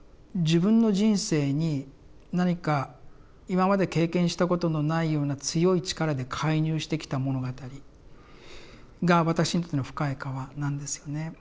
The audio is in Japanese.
自分の人生に何か今まで経験したことのないような強い力で介入してきた物語が私にとっての「深い河」なんですよね。